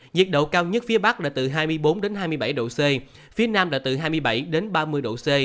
nhiệt độ cao nhất phía bắc là từ hai mươi bốn đến hai mươi bảy độ c phía nam là từ hai mươi bảy đến ba mươi độ c